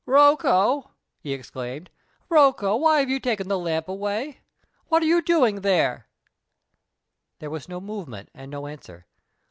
"Rocco!" he exclaimed, "Rocco, why have you taken the lamp away? What are you doing there?" There was no movement and no answer.